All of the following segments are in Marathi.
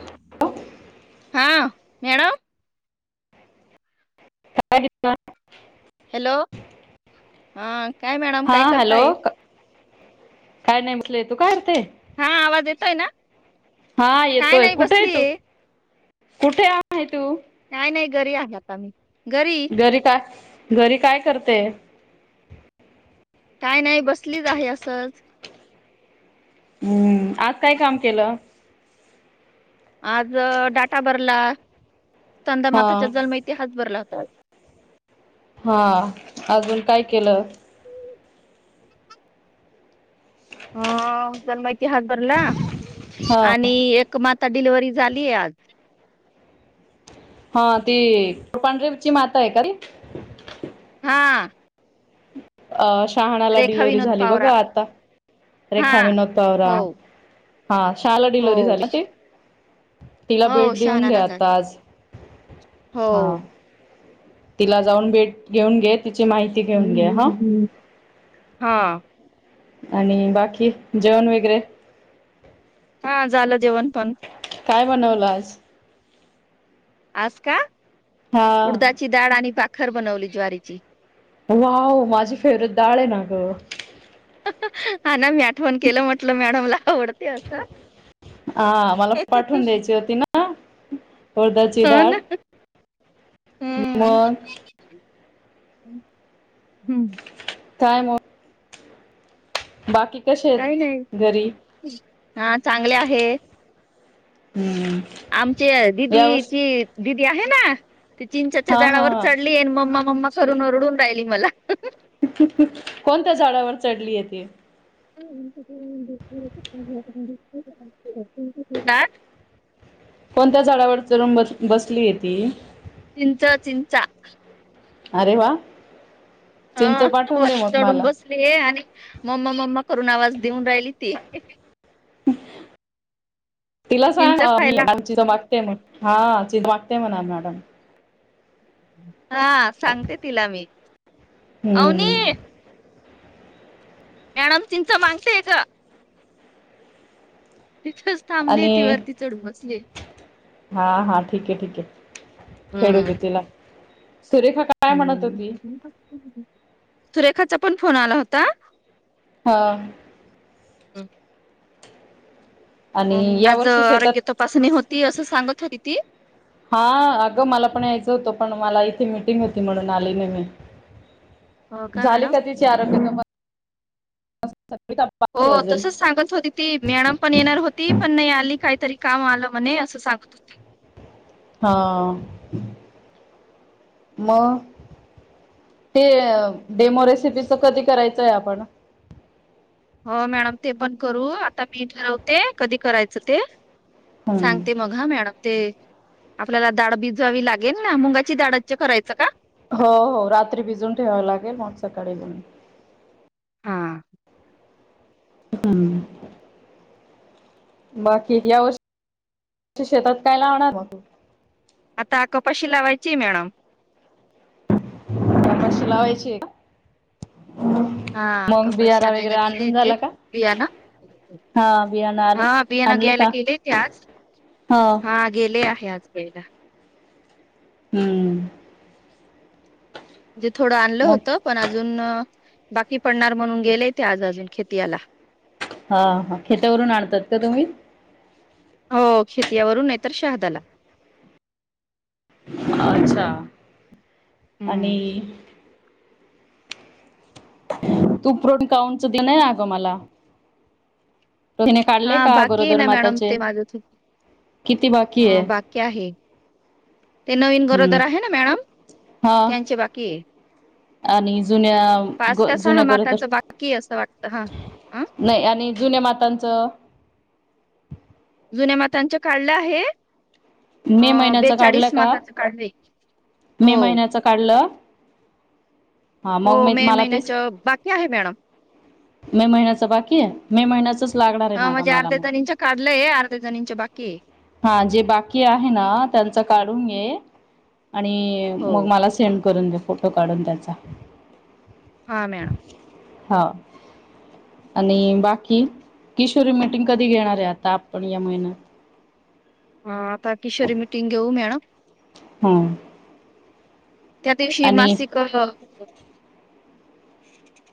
[unintelligible] हा मॅडम [unintelligible] हॅलो हा काय मॅडम हा काय हॅलो करताय? काय नाही म्हटलं ये दुकानं ते हा आवाज येतोय ना हा काय येतोय नाही कुठेहाय तू बसलीये कुठे आहे तू? नाही नाही घरी आहे आता मी. घरी का? घरी काय करते? काय नाही बसलीच आहे असंच हू आज काय काम केलं? आज डाटा भरला हा कंदमाताच्या जलमयती हात भरला हो [unintelligible] हा अजून काय केलं? हा जन माहिती हात भरला. हा आणि एक मात ता डिलिवर्ही झालीय आज हा ती कुरपांढरेची माता आहे का र हा आ शहाणाला रेखा डिलवर्हरी विनोद झाली पावरा बघा आता हा रेखा विनोताव हो हा शाला हो डिलव्हरी झाली ते तिला हो भेट देऊन शहाणाला घ्या झाली आता आज हो हा तिला जाऊन भेट घेऊन घेत तिची माहिती घेऊन घ्या ह हा आणि बाकी जेवण वगैरे हा झालं जेवण पण काय बनवलं आज आजका हा उडदाची डाळ आणि बाक खर बनवली ज्वारीची वाह माझी फेवरेट डाळे ना ग हा ना फन केलं म्हटलं मॅडमला आवडते असं हा मला पाठवून द्यायची होती ना उडदाची ह डाळ ना हम् मग हम्म काय म? बाकी काही नाही, आहेत घरी हा चांगले आहे. हम्म आमच्या यावर्षी दिदीची ती आहे ना ती चिंचेच्या हा हा झाडावर हा चढली येन म मम मम्मा करून ओरडू राहिली मला हाह हह हहह हह कोणत्या झाडावर चढलीये ती? [unintelligible] हा कोणत्या झाडावर चढून ब बसली ये ती? चिंच, चिंचा अरे वा! चिंच हा पाठवून दे मग चढून मला बसली आणि मम्मा मम्मा करून आवाज देऊन राहिली ती ही ही तिला सांग चिंच अ, मी खायला. चिंच मागते हा [inaudible] वागते म्हणा मॅडम? हा सांगते तिला मी अवनी हम्म मॅडम चिंच मांगते ग? थांबली ती आणि वरती चढून बसली. हा हा ठीक ये ठीके ये खेळू दे हम्म तिला. सुरेखा काय म्हणत होती? हम्म. सुरेखाचा पण फोन आला होता. हा हम आणि या माज वर्षी आरोग्य शेतात तपासणी होती असं सांगत होती ती हा अगं मला पण यायचं होतं? पण मला इथे मिटिंग होती म्हणून आली नाही मी. हो झाली मॅडम? का तिची आरोग्य तपास हो, बाकी अजून तसच सांगत होती ती मॅडम पण येणार होती पण नाही आली? काहीतरी काम आलं म्हणे असं सांगत होती हा मग ते डेमो रेसिपीच कधी करायचंय आपण हो मॅडम ते पण करू आता मी ठरवते कधी करायचं ते हम्म सांगते मग हा मॅडम? ते आपल्याला दाढ भिजवावी लागेल ना - मुंगाची दाढेची करायचं का? हो हो रात्री भिजून ठेवाव लागेल, मग सकाळीण हा हम्म, बाकी या वर्षी शेतात काय लावणार? आता कपाशी लावायची मॅडम कपाशी लावायची का? हा मग कपाश बियारा वगैरे आणयला गेले आणून ते झाला का बियाण हा बियाणं आण हा बियाणं आणले घ्यायला का गेले ते आज हो हा गेले आहे आज [unintelligible] हूं म्हणजे थोडं आणलं होतं पण अजून बाकी पडणार म्हणून गेलेय ते आज अजून खेती याला हा हा खेतावरून आणतात का तुम्ही? हो खेतीयावरून नाही तर शहादाला अच्छा आणि हम्म तू पृन काउंनच देन आहे आग मला तिने काढले हा का बाकी आहे गरोदर ना मॅडम माताचे ते माझं थो- किती बाकी अ, ये? बाकी आहे ते नवीन हूं गरोदर आहे ना मॅडम हा त्यांचे बाकी आहे आणि जुन्या पाच ग का सहा जुन्या गरोदर माताचं बाकी आहे असं वाटतं हा अ नाय आणि जुन्या मातांचं जुन्या मातांच काढलं आहे. मे अ महिन्याच काढलं बेचाळीस का माताचं काढले मे हो महिन्याच काढलं हा हो मग मी मे मला तेच महिन्याच बाकी आहे मॅडम मे महिन्याच बाकी ये मे महिन्याचच लागणार आहे हा ना गं म्हणजे मला अर्ध्या मग जणीच काढलंय अर्ध्या जणीनंच बाकी ये. हा जे बाकी आहे ना त्यांच काढून घे आणि मग हो. मला सेंड करून दे. फोटो काढून त्याचा हा मॅडा हा आणि बाकी किशोरी मिटिंग कधी घेणार आहे आता आपण या महिन्यात हा आता किशोरी मिटिंग घेऊ मॅडम हूं त्या दिवशी मासिक अ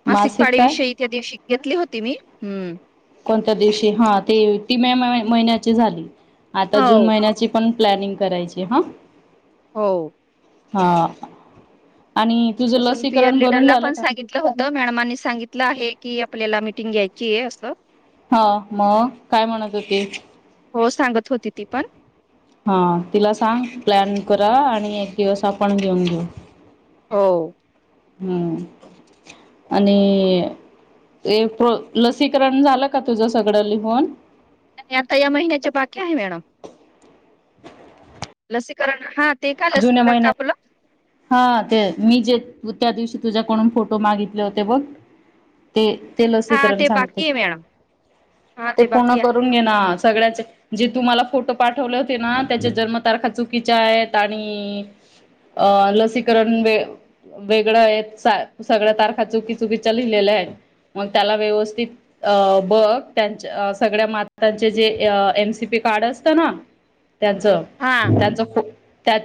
मासिक पाळी विषयी त्या दिवशी घेतली होती मी हम्म कोणत्या दिवशी हा ते ती मे महिन्याची झाली. आता जून हो. महिन्याची पण प्लॅनिंग करायचीय हा हो हा आणि तुझं तसं पियर लसीकरण भरून लीडरला झालं पण का सांगितलं होतं मॅडमानी सांगितलं आहे की आप पल्याला मिटिंग घ्यायची आहे असं हा मग काय म्हणत होती. हो सांगत होती ती पण हा तिला सांग प्लॅन करा आणि एक दिवस आपण घेऊन घेऊ. हो. हम् आणि लसीकरण झालं का तुझ सगळं लिहून आता या महिन्याच्या बाकी्या आहे मॅड लसीकरण हात जुन्या महिन्यात हा ते मी जे त त्या दिवशी तुझ्या कोून फोटो मागितले होते बघ ते. ते हा लसीकरण ते सांगते बाकी आहे मॅडम हा ते पूर्ण बाकी आहे. करून घेना. सगळ्याचे जे तुम्हाला फोटो पाठवले होते ना त्याच्या जन्मतारखा चुकीच्या आहेत. आणि अ लसीकरण व वेगळं आहेत सगळ्या तारखा चुकी चुकीच्या लिहिलेल्या आहेत मग त्याला व्यवस्थित अ बघ त्यांच्या सगळ्या मात्यांचे जे एमसीपी कार्ड असतं ना. त्यांचं हा त्यांचं खूप ह.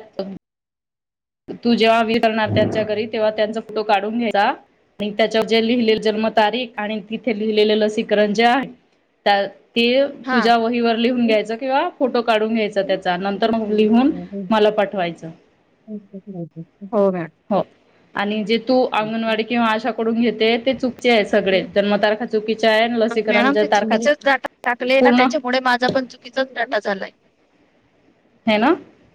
तू जेव्हा विरणार त्यांच्या घरी तेव्हा त्यांचा फोटो काढून घेता आणि त्याच्या जे लिहिलेले जन्मतारीख आणि तिथे लिहिलेले लसीकरण जे आहे त्या ते तुझ्या वहीवर लिहून घ्यायचं किंवा फोटो काढून घ्यायचा त्याचा नंतर मग लिहून हा. मला पाठवायचं. हो मॅडम हो आणि जे तू अंगणवाडी किंवा आशाकडून घेत. ते चुक मॅडम लसीकरणच्या ते तारखा चुकीचाच डाटा टाकलेय ना पूर्ण त्याच्यामुळे माझा पण चुकीचाच डाटा झालाय. ह ना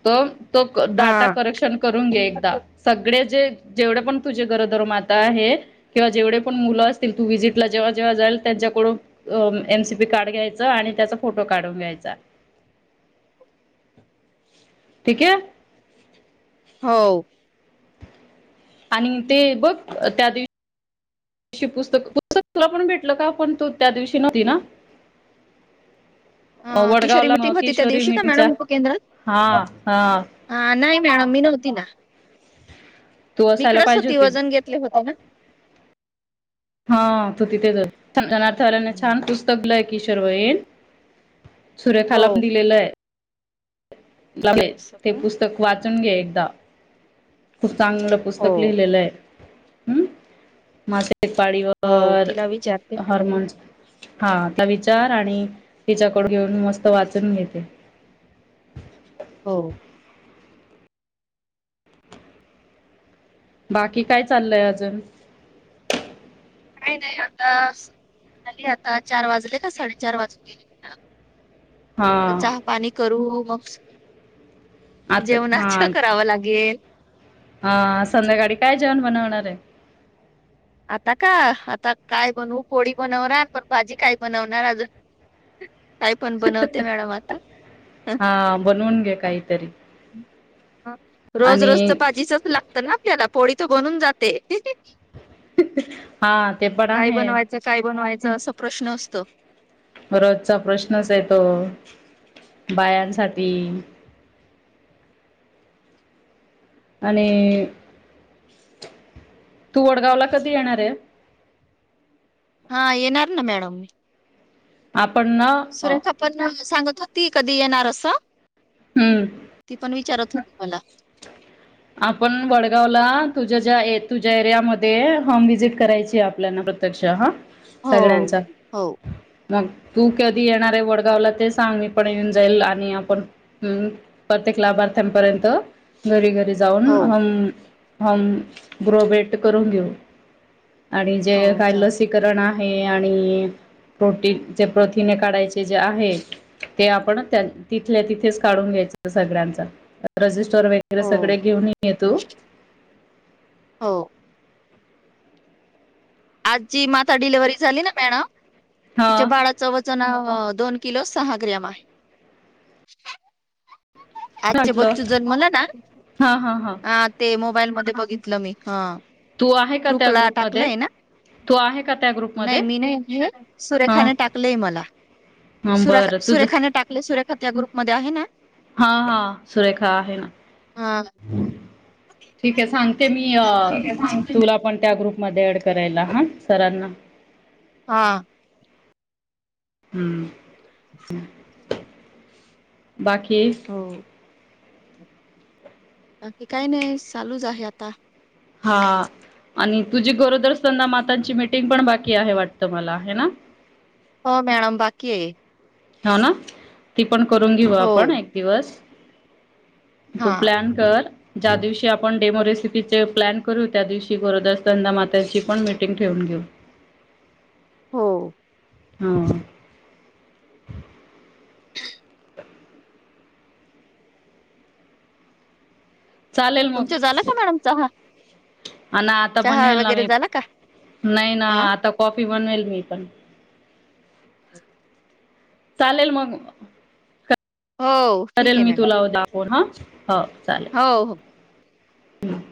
त तो डाटा हा करेक्शन करून घे एकदा सगळे जे जेवढे पण तुझे घरोदर माता आहे किंवा जेवढे पण मुलं असतील तू विजिट ला जेव्हा जेव्हा जाईल त्यांच्याकडून अ एमसीपी कार्ड घ्यायच आणि त्याचा फोटो काढून घ्यायचा. ठीक आहे. हो. आणि ते बघ त्या दिवशी पुस्तक पुस्तकला पण भेटल का पण तू त्या दिवशी नव्हती ना. हो अ, किशोरी वडगावला न मिटिंग होती त्या किशोरी दिवशी का मिच्या मॅडम उपकेंद्रात? हा हा. मॅड मी नव्हती ना. तू असायला इिकडच पाहिजे होती होतीस. वजन घेतले होता ना. हा तू तिथेच र आणि छान पुस्तक लय कीशर्वयन हो सुरेखाला पण दिलेलं आहे. [unintelligible] असं ते का? पुस्तक वाचून घे एकदा ह. चांगलं हो पुस्तक लिहिलेलं आहे. हम्म मासे हो पाळीवर तिला विचारते हर्मोन्स हा आता विचार आणि तिच्याकड घेऊन मस्त वाचून घेते. हो. बाकी काय चाललय अजून. काय नाही आतास आली आता, चार वाजले का साडेचार वाजून गेला. हा चहा पाणी करू. मक आता हअ अ संध्याकाळी काय जेन बनवणार आहे. आता का, आता काय बनू पोळी बनवणार पण भाजी काय बनवणार अजून. काय पण बनवते मॅडम आता हा बनवून घे काहीतरी. ह रोज रोज तर आणि पाजीचच लागतं ना. त्याला पोळी त बनून जाते हा ते पण आहे. ज अस प्रश्न असतं. रजचा प्रश्नच येतो, बायांसाठी. आणि तू वडगाव ला कधी येणार आहे. हा येणार ना मॅडम. आप सुरेखा पण ना. सांगत होती कधि येणार अस. हम्म ती पण विचारत अला आपण वडगावला तुझ्या ज्या ऐ तुझ्या एरियामध्ये, होम विजिट करायची आपल्याला प्रत्यक्ष हा. हो सगळ्यांचा हो मग तू कधी येणार आहे वडगावला ते सांग, मी पण येऊन जाईल आणि आपण हम प्रत्येक लाभार्थ्यांपर्यंत घरी-घरी. जाऊन हो अन हम ग्रोवेेट करून घऊ. आणि जे हो काय चालेल लसीकरण हय आणि कोटीचे प्रथीने काढायचे जे आहे, ते आपण त्या तिथले तिथेच काढून घ्यायच सगळ्यांच रजिस्टर व हो घेऊन ये तो [inaudible] हो आज जी माता डिलिव्हरी झाली ना मॅण हा तिच्या बाळाच वचन नाव. अ दोन किलो सहा ग्रॅम आहे. आज चे म्हटलं बच्चू जन्मला ना हा हा हा आ ते मोबाईल मध्ये बघितलं मी ह. तू आहे का त्या ग्रुपला ग्रुपमध्ये टाकलंय ना, तू आहे का त्या ग्रुपमध्ये नाही मी नाही हा सुरेखान टाकलेय मला हा सुरात बरं तुझं सुरेखाने टाकले सुरेखा त्या ग्रुपमध्ये आहे ना ह ह सुरेखा आहे ना, हा ठीक आहे सांगते मी. य तुला पण. त्या ग्रुप म ऍड करायला हा सरांना. हा. हम्म. हम्. बाकी. हो बाकी काही नाही चालूच आहे आता. हा आणि तुझी गरोदर असना मातांची मीटिंग पण बाकी आहे वाटत मला हे ना. हो मॅडम बाकीय हाय. हो ना ती. पण करून घेऊ हो आपण एक दिवस. तू हा प्लॅन कर. ज्या दिवशी आपण डेमो रेसिपीचे प्लॅन करू त्या दिवशी गोरदास तंदा माताची पण मीटिंग ठेवून घेऊ. हो. हम. [unintelligible] चालेल तुमच झालं का मॅडम चहा. हो. आन आता चहा बनवेल ना वगैरे मी झाला का नाही ना आ आता कॉफ. पिवन वल्मी पण. चालेल मग. हो ठीक करेल आहे मी मॅडम तुला दाखवन हा. हो चालेल. हो हो हम.